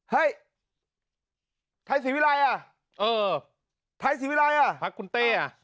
เฮ้ยไทยศรีวิรัยอ่ะเออไทยศรีวิรัยอ่ะพักคุณเต้อ่ะ